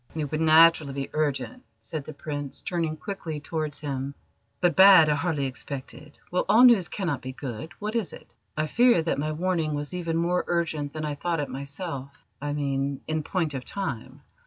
"It would naturally be urgent," said the Prince, turning quickly towards him, "but bad I hardly expected. Well, all news cannot be good. What is it?" "I fear that my warning was even more urgent than I thought it myself I mean, in point of time.